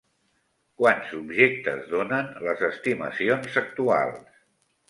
Quants objectes donen les estimacions actuals?